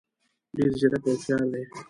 ډېر ځیرک او هوښیار دي.